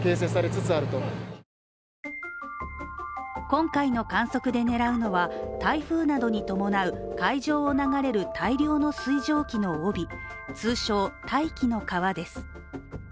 今回の観測で狙うのは台風などに伴う海上を流れる大量の水蒸気の帯通称、大気の河です。